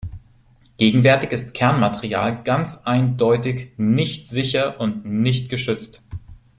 Gegenwärtig ist Kernmaterial ganz eindeutig nicht sicher und nicht geschützt.